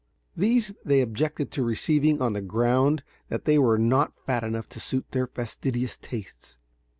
These they objected to receiving on the ground that they were not fat enough to suit their fastidious tastes.